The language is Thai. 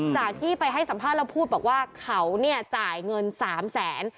สาหรัสที่ไปให้สัมภาพแล้วพูดว่าเขาเนี่ยจ่ายเงิน๓แสน